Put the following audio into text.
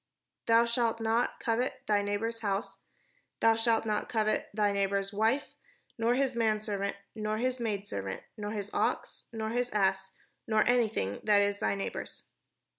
"Thou shalt not covet thy neighbour's house, thou shalt not covet thy neighbour's wife, nor his manserv ant, nor his maidservant, nor his ox, nor his ass, nor anything that is thy neighbour's."